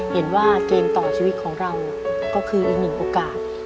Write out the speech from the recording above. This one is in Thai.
เห็นว่าเกมต่อชีวิตของเราก็คืออีกหนึ่งโอกาส